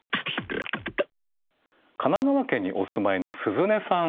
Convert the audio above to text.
神奈川県にお住まいのすずねさん。